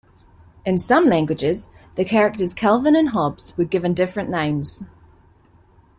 In some languages the characters Calvin and Hobbes were given different names.